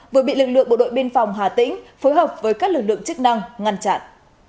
vừa bị lực lượng bộ đội biên phòng hà tĩnh phối hợp với các lực lượng chức năng ngăn chặn